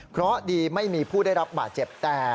เพราะดีไม่มีผู้ได้รับบาดเจ็บแต่